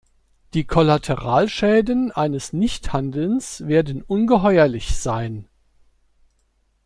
Die Kollateralschäden eines Nichthandelns werden ungeheuerlich sein.